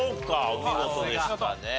お見事でしたね。